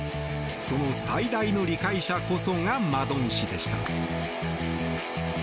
その最大の理解者こそがマドン氏でした。